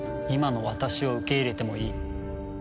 今の私を受け入れてもいい。